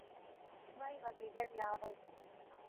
மின்வாய் வகைகள் யாவை?